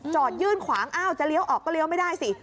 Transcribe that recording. ยื่นขวางอ้าวจะเลี้ยวออกก็เลี้ยวไม่ได้สิ